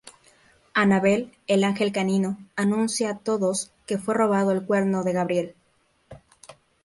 Annabelle, el "ángel canino", anuncia a todos que fue robado el Cuerno de Gabriel.